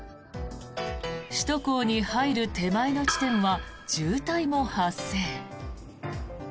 首都高に入る手前の地点は渋滞も発生。